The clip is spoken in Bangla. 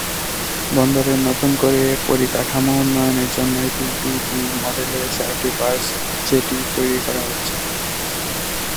বন্দরের নতুন করে পরিকাঠামো উন্নয়নের জন্যই পিপিপি মডেলে চারটি বার্জ জেটি তৈরি করা হচ্ছে।